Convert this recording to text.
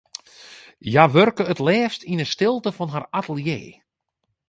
Hja wurke it leafst yn 'e stilte fan har atelier.